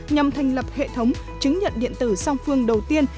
nhằm thành lập hệ thống chứng nhận điện tử song phương đầu tiên